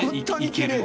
きれい。